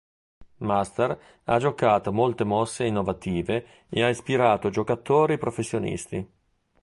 Master ha giocato molte mosse innovative e ha ispirato giocatori professionisti.